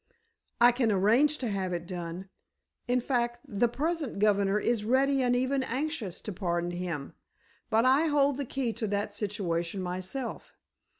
"I can arrange to have it done. In fact, the present governor is ready and even anxious to pardon him, but I hold the key to that situation, myself.